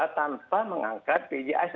tanpa mengangkat pjis